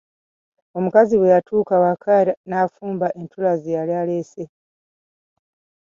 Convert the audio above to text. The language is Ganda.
Omukazi bwe yatuuka ewaka n'afumba entula ze yali aleese.